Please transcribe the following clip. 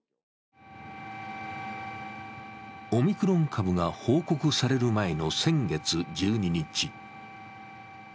オミクロン株が報告される前の先月１２日。